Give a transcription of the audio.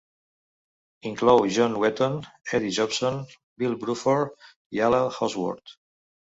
Inclou John Wetton, Eddie Jobson, Bill Bruford i Allan Holdsworth.